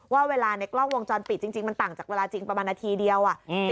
ว่าเวลาในกล้องวงจรปิดจริงมันต่างจากเวลาจริงประมาณนาทีเดียว